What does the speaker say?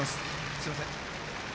すみません。